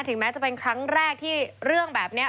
แม้จะเป็นครั้งแรกที่เรื่องแบบนี้